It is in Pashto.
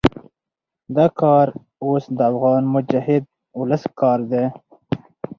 دا کار اوس د افغان مجاهد ولس کار دی.